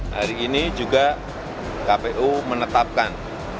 hari ini juga kpu menetapkan